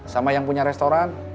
sama yang punya restoran